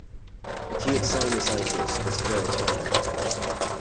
Acute sinusitis is very common.